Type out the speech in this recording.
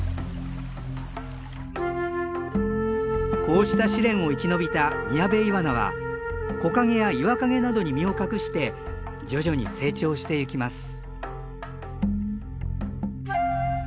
こうした試練を生き延びたミヤベイワナは木陰や岩陰などに身を隠して徐々に成長してゆきます。